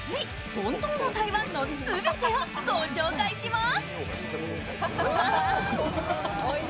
本当の台湾の全てをご紹介します。